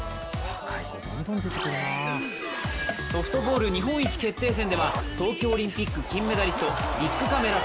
ソフトボール日本一決定戦では東京オリンピック金メダリストビックカメラ